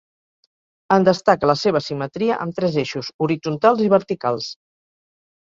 En destaca la seva simetria, amb tres eixos horitzontals i verticals.